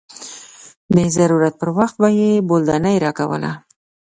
د ضرورت پر وخت به يې بولدانۍ راکوله.